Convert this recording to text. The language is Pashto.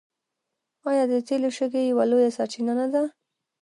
آیا د تیلو شګې یوه لویه سرچینه نه ده؟